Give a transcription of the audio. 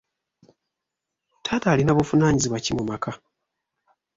Taata alina buvunaanyizibwa ki mu maka?